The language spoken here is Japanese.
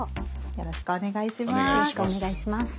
よろしくお願いします。